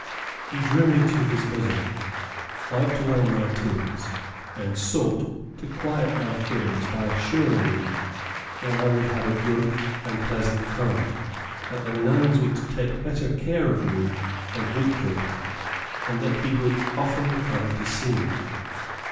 He drew me to his bosom, wiped away my tears, and sought to quiet my fears by assuring me that I would have a good and pleasant home; that the nuns would take better care of me than he could; and that he would often come to see me.